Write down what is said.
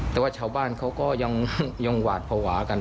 แต่ว่าชาวบ้านเขาก็ยังหวาดภาวะกัน